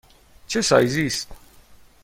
چه سایزی است؟